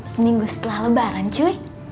seminggu setelah lebaran cuy